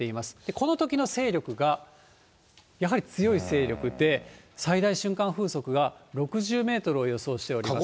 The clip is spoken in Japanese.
このときの勢力がやはり強い勢力で、最大瞬間風速が６０メートルを予想しております。